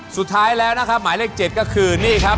สุดท้ายแล้วนะครับหมายเลข๗ก็คือนี่ครับ